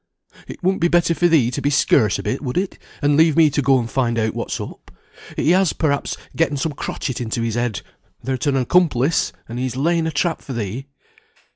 "It wouldn't be better for thee to be scarce a bit, would it, and leave me to go and find out what's up? He has, perhaps, getten some crotchet into his head thou'rt an accomplice, and is laying a trap for thee."